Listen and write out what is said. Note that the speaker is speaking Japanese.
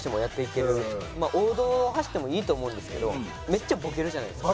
王道を走ってもいいと思うんですけどめっちゃボケるじゃないですか。